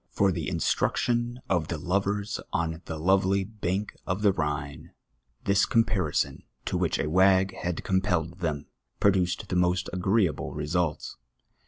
For the instruction of the lovers on the lovely bank of the Rhine, this comparison, to whicli a wag had compelled them, produced the most agreeable results.